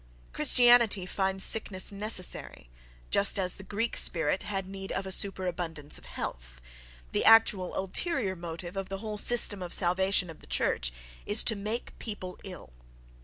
Christianity finds sickness necessary, just as the Greek spirit had need of a superabundance of health—the actual ulterior purpose of the whole system of salvation of the church is to make people ill.